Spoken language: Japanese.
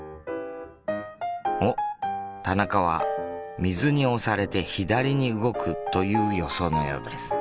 おっ田中は水に押されて左に動くという予想のようです。